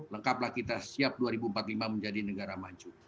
lengkaplah kita siap dua ribu empat puluh lima menjadi negara maju